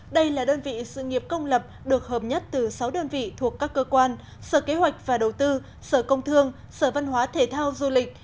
đây là đơn vị sự nghiệp công lập được hợp nhất từ sáu đơn vị thuộc các cơ quan sở kế hoạch và đầu tư sở công thương sở văn hóa thể thao du lịch